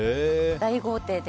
大豪邸で。